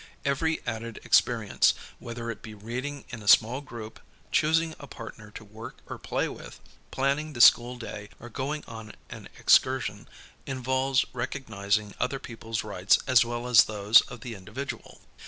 Every added experience, whether it be reading in a small group, choosing a partner to work or play with, planning the school day. or going on an excursion, involves recognizing other people's rights as well as those of the individual.